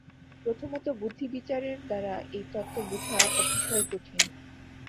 প্রথমত বুদ্ধিবিচারের দ্বারা এই তত্ত্ব বুঝা অতিশয় কঠিন।